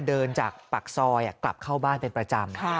เดินจากปากซอยกลับเข้าบ้านเป็นประจำ